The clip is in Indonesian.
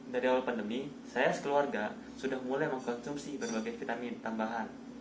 dari awal pandemi saya sekeluarga sudah mulai mengkonsumsi berbagai vitamin tambahan